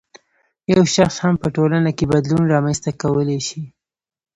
یو شخص هم په ټولنه کې بدلون رامنځته کولای شي.